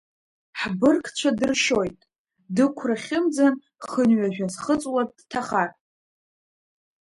Ҳбыргцәа дыршьоит дықәрахьымӡан, хынҩажәа зхыҵуа дҭахар.